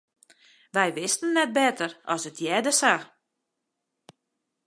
Wy wisten net better as it hearde sa.